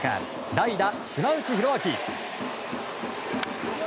代打、島内宏明。